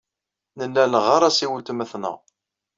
Nella neɣɣar-as i weltma-tneɣ.